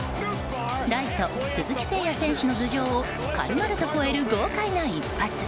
ライト、鈴木誠也選手の頭上を軽々と越える豪快な一発。